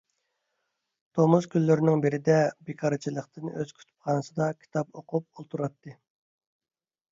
تومۇز كۈنلىرىنىڭ بىرىدە، بىكارچىلىقتىن ئۆز كۇتۇپخانىسىدا كىتاب ئوقۇپ ئولتۇراتتى.